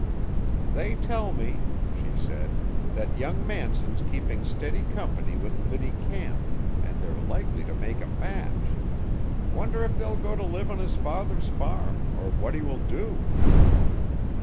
"They tell me," she said, "that young Manson's keeping stiddy company with Liddy Camp, and they're likely to make a match. Wonder if they'll go to live on his father's farm, or what he will do?"